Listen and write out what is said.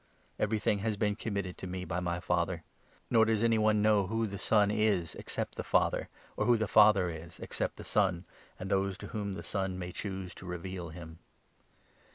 Everything has been committed to me by my Father ; nor 22 does any one know who the Son is, except the Father, or who the Father is, except the Son and those to whom the Son may choose to reveal him."